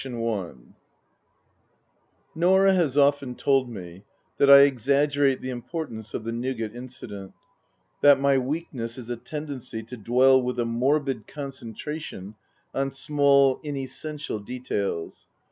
VIII NORAH has often told me that I exaggerate the importance of the Nougat Incident ; that my weakness is a tendency to dwell with a morbid concen tration on small, inessential details.